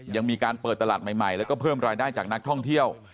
ยังมีการเปิดตลาดใหม่แล้วก็เพิ่มรายได้จากนักท่องเที่ยว